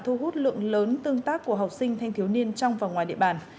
thu hút lượng lớn tương tác của học sinh thanh thiếu niên trong và ngoài địa bàn